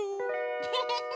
フフフフ。